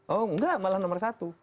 oh enggak malah nomor satu